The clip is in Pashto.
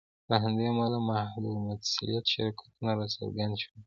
له همدې امله محدودالمسوولیت شرکتونه راڅرګند شول.